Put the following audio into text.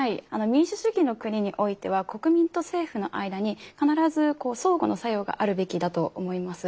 民主主義の国においては国民と政府の間に必ず相互の作用があるべきだと思います。